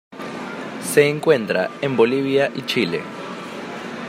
Se encuentra en Bolivia y Chile.